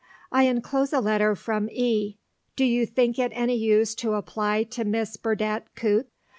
I enclose a letter from E. Do you think it any use to apply to Miss Burdett Coutts?